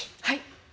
はい。